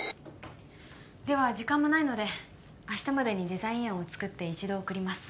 では時間もないので明日までにデザイン案を作って一度送ります